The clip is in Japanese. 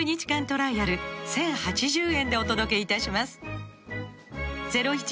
トライアル１０８０円でお届けいたします